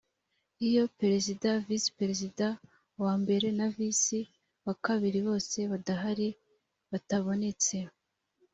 iyo perezida visi perezida wa mbere na visiperezida wa kabiri bose badahari batabonetse